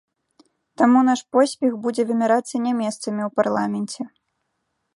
Таму наш поспех будзе вымярацца не месцамі ў парламенце.